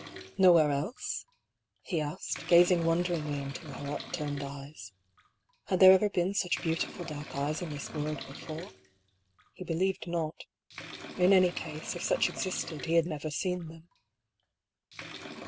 " Nowhere else ?" he asked, gazing wonderingly into her upturned eyes. Had there ever been such beautiful dark eyes in this world before ? He believed not. In any case, if such existed, he had never seen them.